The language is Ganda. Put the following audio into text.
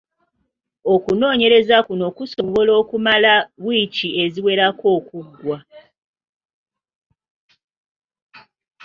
Okunoonyereza kuno kusobola okumala wiiki eziwerako okuggwa.